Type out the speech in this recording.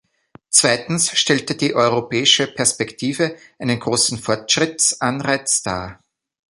Zweitens stellte die europäische Perspektive einen großen Fortschrittsanreiz dar.